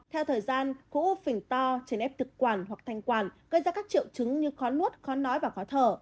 theo thời gian cũ phỉnh to trên ép thực quản hoặc thanh quản gây ra các triệu chứng như khó nuốt khó nói và khó thở